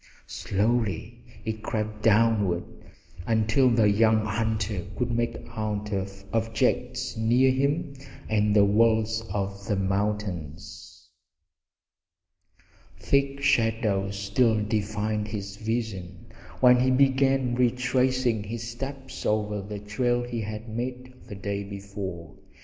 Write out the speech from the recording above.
Slowly it crept downward, until the young hunter could make out objects near him and the walls of the mountains. Thick shadows still defied his vision when he began retracing his steps over the trail he had made the day before.